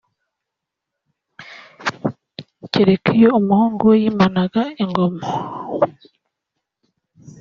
kereka iyo umuhungu we yimaga ingoma